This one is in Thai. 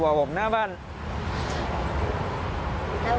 ซึ่งทุกคนไม่รู้เสียชู